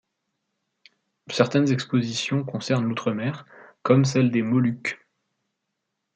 Certaines expositions concernent l'Outre-mer, comme celle des Moluques.